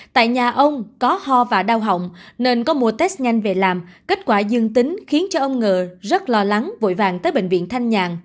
tại nhà ông có ho và đau hỏng nên có mùa test nhanh về làm kết quả dương tính khiến ông ngờ rất lo lắng vội vàng tới bệnh viện thanh nhàng